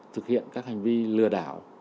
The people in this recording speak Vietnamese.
thực hiện các hành vi lừa đảo